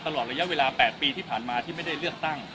ตลอดระยะเวลา๘ปีที่ผ่านมาที่ไม่ได้เลือกตั้ง